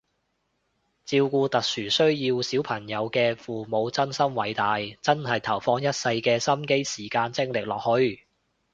照顧特殊需要小朋友嘅父母真心偉大，真係投放一世嘅心機時間精力落去